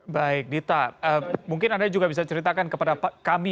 baik dita mungkin anda juga bisa ceritakan kepada kami